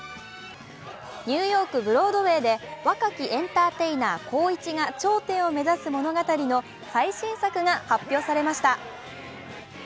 ニューヨーク・ブロードウェイで若きエンターテイナー・コウイチが頂点を目指す物語の最新作が発表されました。